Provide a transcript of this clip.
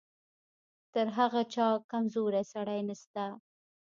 تر هغه چا کمزوری سړی نشته.